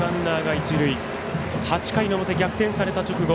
８回の表、逆転された直後。